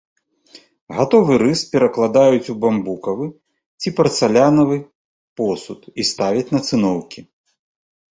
Гатовы рыс перакладаюць у бамбукавы ці парцалянавы посуд і ставяць на цыноўкі.